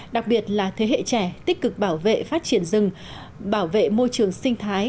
đặc biệt là thế hệ trẻ tích cực bảo vệ phát triển rừng bảo vệ môi trường sinh thái